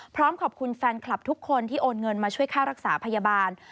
พร้อมขอบคุณแฟนคลับทุกคนที่โอนเงินมาช่วยค่ารักษาพยาบาล